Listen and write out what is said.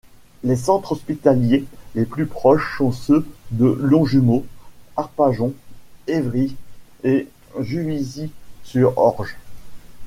Les centres hospitaliers les plus proches sont ceux de Longjumeau, Arpajon, Évry et Juvisy-sur-Orge.